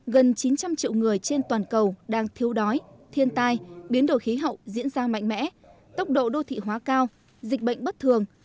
gần chín trăm linh triệu người trên toàn cầu đang thiếu đói thiên tai biến đổi khí hậu diễn ra mạnh mẽ tốc độ đô thị hóa cao dịch bệnh bất thường